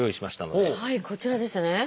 はいこちらですね。